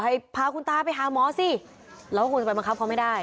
ให้พาคุณตาไปหาหมอสิเราก็คงจะไปบังคับเขาไม่ได้